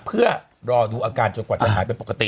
เพื่อรอดูอาการจนกว่าจะหายเป็นปกติ